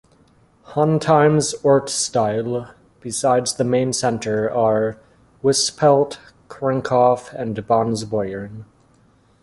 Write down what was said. Hontheim's "Ortsteile", besides the main centre, are Wispelt, Krinkhof and Bonsbeuern.